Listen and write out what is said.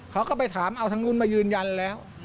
เขาก็ไปถามเอาทางนู้นมายืนยันแล้ว